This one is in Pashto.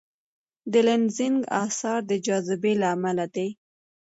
د لینزینګ اثر د جاذبې له امله دی.